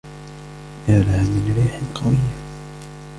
يا لها من ريح قوية!